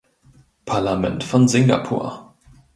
Parlament von Singapur.